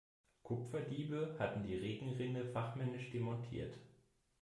Kupferdiebe hatten die Regenrinne fachmännisch demontiert.